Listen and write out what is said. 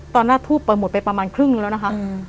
ตอนนั้นทูปหมดไปประมาณครึ่งนึงแล้วนะคะ